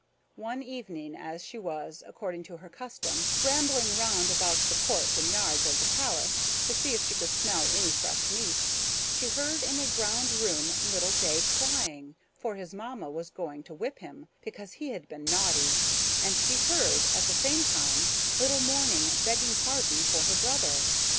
One evening, as she was, according to her custom, rambling round about the courts and yards of the palace to see if she could smell any fresh meat, she heard, in a ground room, little Day crying, for his mamma was going to whip him, because he had been naughty; and she heard, at the same time, little Morning begging pardon for her brother.